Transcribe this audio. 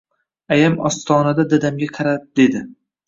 Ayam ostonada dadamga qarab dedi